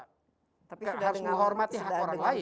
tapi harus menghormati hak orang lain